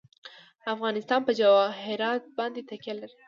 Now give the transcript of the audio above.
افغانستان په جواهرات باندې تکیه لري.